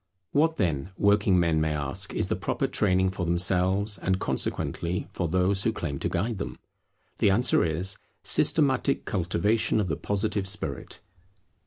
What then, working men may ask, is the proper training for themselves, and consequently for those who claim to guide them? The answer is, systematic cultivation of the Positive spirit.